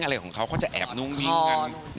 อะไรของเขาเขาจะแอบนุ้งวิ่งกัน